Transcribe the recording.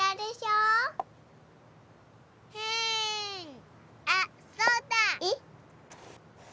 うんあっそうだ！えっ？